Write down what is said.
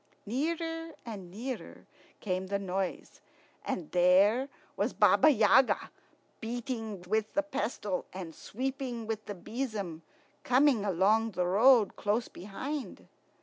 Nearer and nearer came the noise, and there was Baba Yaga, beating with the pestle and sweeping with the besom, coming along the road close behind.